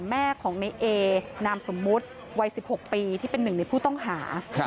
แม่ของในเอนามสมมุติวัย๑๖ปีที่เป็นหนึ่งในผู้ต้องหา